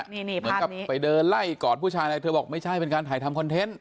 เหมือนกับไปเดินไล่กอดผู้ชายอะไรเธอบอกไม่ใช่เป็นการถ่ายทำคอนเทนต์